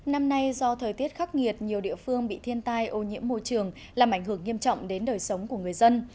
năm nay do thời tiết khắc nghiệt nhiều địa phương bị thiên tai ô nhiễm môi trường làm ảnh hưởng nghiêm trọng đến đời sống của người dân